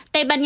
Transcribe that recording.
tây ban nha